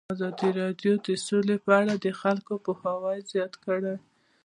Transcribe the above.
ازادي راډیو د سوله په اړه د خلکو پوهاوی زیات کړی.